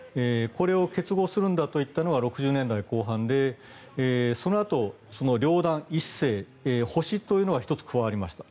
これを結合するんだといったのが６０年代後半でそのあと、両弾一星星というのが１つ加わりました。